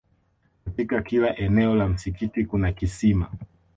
katika kila eneo la msikiti kuna kisima